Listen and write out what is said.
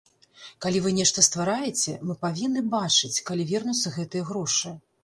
Калі вы нешта ствараеце, мы павінны бачыць, калі вернуцца гэтыя грошы.